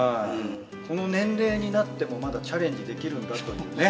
この年齢になっても、まだチャレンジできるんだというね。